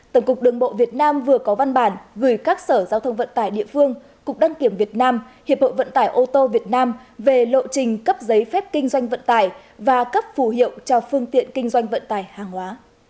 tổng cục đường bộ việt nam vừa có văn bản gửi các sở giao thông vận tải địa phương cục đăng kiểm việt nam hiệp hội vận tải ô tô việt nam về lộ trình cấp giấy phép kinh doanh vận tải và cấp phù hiệu cho phương tiện kinh doanh vận tải hàng hóa